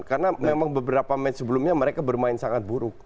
karena memang beberapa match sebelumnya mereka bermain sangat buruk